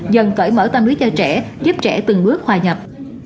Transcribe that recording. dần cởi mở tâm lý cho trẻ giúp trẻ từng bước hòa nhập